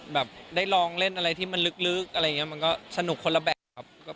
แบบได้ลองเล่นอะไรที่มันลึกอะไรอย่างนี้มันก็สนุกคนละแบบครับ